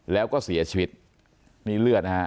แล้วก็เสียชีวิตนี่เลือดนะฮะ